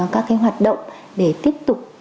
các hoạt động để tiếp tục